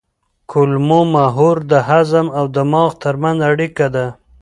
کولمو محور د هضم او دماغ ترمنځ اړیکه ده.